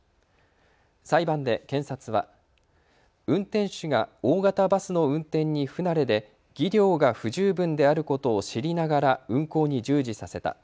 裁判で検察は運転手が大型バスの運転に不慣れで、技量が不十分であることを知りながら運行に従事させた。